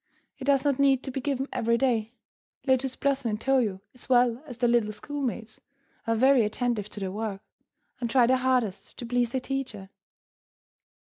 It does not need to be given every day. Lotus Blossom and Toyo, as well as their little schoolmates, are very attentive to their work, and try their hardest to please the teacher.